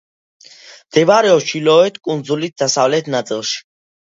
მდებარეობს ჩრდილოეთ კუნძულის დასავლეთ ნაწილში.